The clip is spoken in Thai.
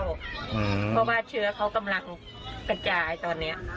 เพราะว่าเชื้อเขากำลังกระจายตอนนี้